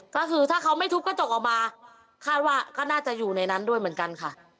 ก็คือถ้าเขาไม่ทุบกระจกออกมาคาดว่าก็น่าจะอยู่ในนั้นด้วยเหมือนกันค่ะ